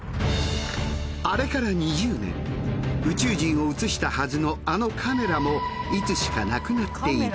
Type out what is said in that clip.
あれから２０年宇宙人を写したはずのあのカメラもいつしかなくなっていた。